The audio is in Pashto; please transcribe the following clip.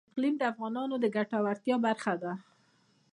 اقلیم د افغانانو د ګټورتیا برخه ده.